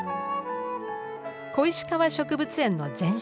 小石川植物園の前身